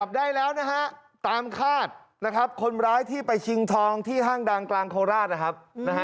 ได้แล้วนะฮะตามคาดนะครับคนร้ายที่ไปชิงทองที่ห้างดังกลางโคราชนะครับ